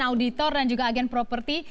auditor dan juga agen properti